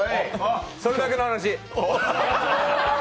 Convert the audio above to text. それだけの話！